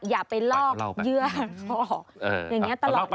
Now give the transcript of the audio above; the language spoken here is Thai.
อย่าไปลอกเยื่อดำมันออกอย่างนี้ตลอดเลย